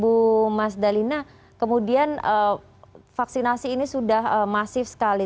bu mas dalina kemudian vaksinasi ini sudah masif sekali